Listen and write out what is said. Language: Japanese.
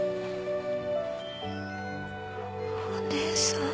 お姉さん。